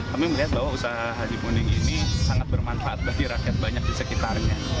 kami melihat bahwa usaha haji punding ini sangat bermanfaat bagi rakyat banyak di sekitarnya